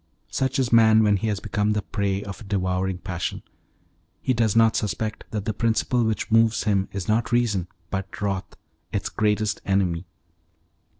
Such is man when he has become the prey of a devouring passion. He does not suspect that the principle which moves him is not reason but wrath, its greatest enemy.